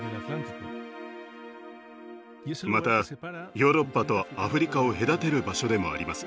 またヨーロッパとアフリカを隔てる場所でもあります。